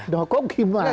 nah kok gimana